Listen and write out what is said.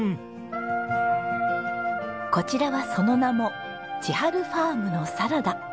こちらはその名も「ちはるふぁーむのサラダ」。